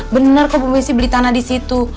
bener kok bu messi beli tanah disitu